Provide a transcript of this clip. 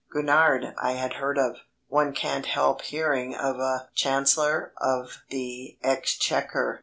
Gurnard I had heard of. One can't help hearing of a Chancellor of the Exchequer.